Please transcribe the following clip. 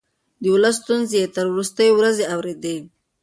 د ولس ستونزې يې تر وروستۍ ورځې اورېدې.